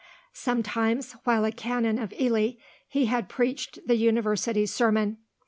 Sometimes, while a canon of Ely, he had preached the University Sermon.